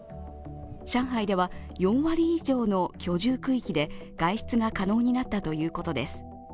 上海では４割以上の居住区域で外出が可能になったということです。